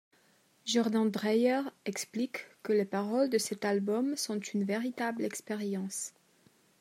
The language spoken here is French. Jordan Dreyer explique que les paroles de cet album sont une véritable expérience.